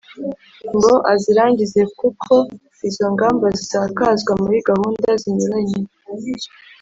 ngo azirangize kuko izo ngamba zisakazwa muri gahunda zinyuranye